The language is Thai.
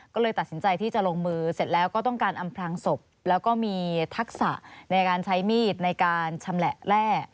ก็เลยตัดสินใจที่จะลงมือเสร็จแล้วก็ต้องการอำพลางศพแล้วก็มีทักษะในการใช้มีดในการชำแหละแร่